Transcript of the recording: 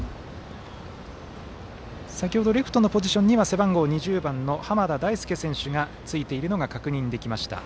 先ほどレフトのポジションには背番号２０番の濱田大輔選手がついているのが確認できました。